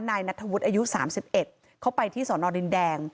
นายนัทธวุฒิอายุ๓๑เขาไปที่สอนอดินแดง